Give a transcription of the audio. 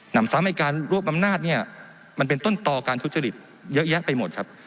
นำซ้ำให้การรวบอำนาจเนี่ยมันเป็นต้นต่อการทุจริตเยอะแยะไปหมดครับ